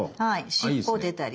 尻尾出たり。